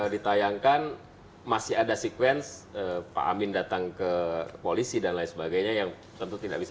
ditayangkan masih ada sekuens pak amin datang ke polisi dan lain sebagainya yang tentu tidak bisa